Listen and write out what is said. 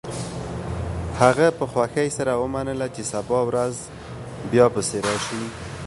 هغه په خوښۍ سره ومنله چې سبا ورځ بیا پسې راشي